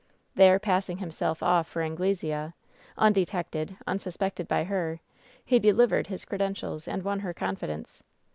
There, passing himself off for Ang Iesea — undetected, unsuspected by her, he delivered his credentials, and won her confidence.